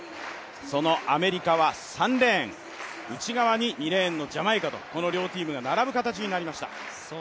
そのアメリカは３レーン、内側に２レーンのジャマイカとこの両チームが並ぶ形となりました。